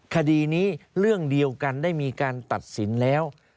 คดีนี้เรื่องเดียวกันได้มีการตัดสินแล้ว